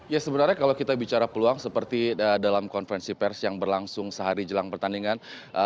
ya sebenarnya kalau kita bicara peluang seperti dalam konferensi pers yang berlangsung sehari jelang pertandingan